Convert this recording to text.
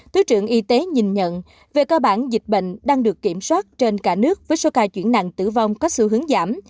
thứ trưởng y tế nhìn nhận về cơ bản dịch bệnh đang được kiểm soát trên cả nước với số ca chuyển nặng tử vong có xu hướng giảm